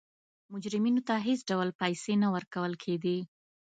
مجرمینو ته هېڅ ډول پیسې نه ورکول کېده.